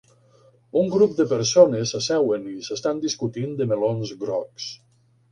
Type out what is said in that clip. Un grup de persones s'asseuen i s'estan discutint de melons grocs